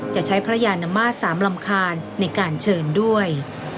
จะใช้พระยานมาตร๓ลำคาญในการเชิญด้วย